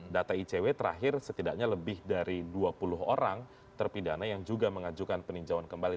data icw terakhir setidaknya lebih dari dua puluh orang terpidana yang juga mengajukan peninjauan kembali